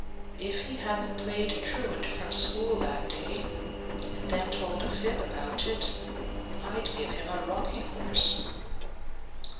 If he hadn't played truant from school that day, and then told a fib about it, I'd give him a rocking horse."